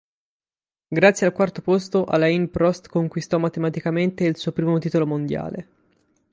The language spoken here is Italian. Grazie al quarto posto Alain Prost conquistò matematicamente il suo primo Titolo Mondiale.